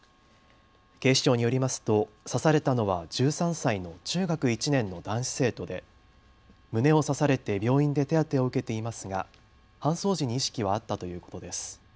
警視庁によりますと刺されたのは１３歳の中学１年の男子生徒で胸を刺されて病院で手当てを受けていますが搬送時に意識はあったということです。